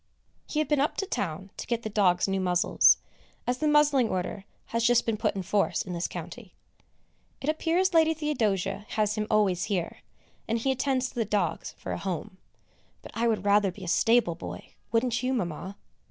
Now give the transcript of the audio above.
He had been up to town to get the dogs new muzzles, as the muzzling order has just been put in force in this county. It appears Lady Theodosia has him always here, and he attends to the dogs for a home, but I would rather be a stable boy, wouldn't you, Mamma?